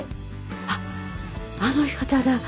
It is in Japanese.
「あっあの方だ。